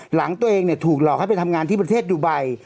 หลังตัวเองถูกหลอกให้ไปทำงานที่ประเทศดูไบ